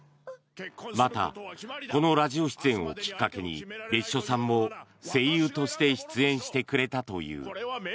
またこのラジオ出演をきっかけに別所さんも声優として出演してくれたという。